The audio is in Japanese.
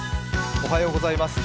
おはようございます。